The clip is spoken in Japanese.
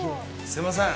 すいません。